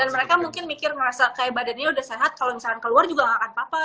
dan mereka mungkin mikir ngerasa kayak badannya udah sehat kalau misalnya keluar juga nggak akan apa apa